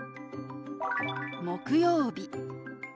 「木曜日」。